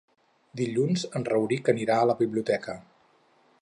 Dilluns en Rauric anirà a la biblioteca.